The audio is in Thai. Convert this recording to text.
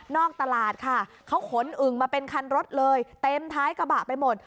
ตลาดค่ะเขาขนอึ่งมาเป็นคันรถเลยเต็มท้ายกระบะไปหมด